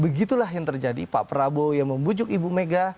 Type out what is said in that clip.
begitulah yang terjadi pak prabowo yang membujuk ibu mega